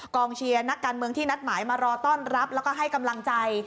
เชียร์นักการเมืองที่นัดหมายมารอต้อนรับแล้วก็ให้กำลังใจ